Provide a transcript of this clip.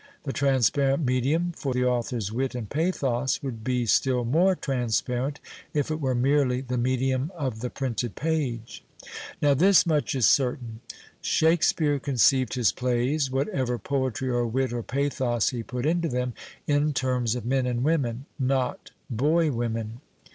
The transparent medium for the author's wit and pathos would be still more transparent if it were merely the medium of the ])rinted page. Now this much is certain. Shakespeare conceived his plays, whatever poetry or wit or pathos he put into them, in terms of men and women (not boy women).